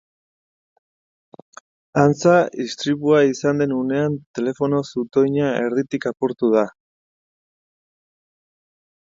Antza, istripua izan den unean telefono-zutoina erditik apurtu da.